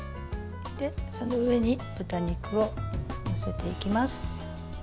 その上に豚肉を載せていきます。